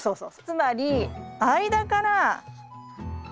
つまり間から。